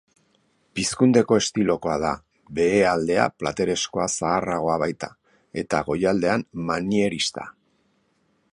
Pizkundeko estilokoa da, behealdea platereskoa zaharragoa baita, eta goialdean manierista.